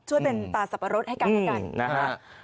ช่วยเป็นตาสับปะรดให้กันนะฮะ